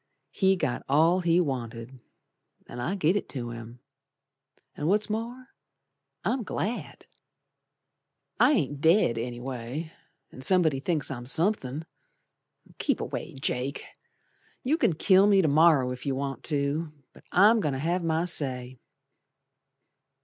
He got all he wanted, An' I give it to him, An' what's more, I'm glad! I ain't dead, anyway, An' somebody thinks I'm somethin'. Keep away, Jake, You can kill me to morrer if you want to, But I'm goin' to have my say.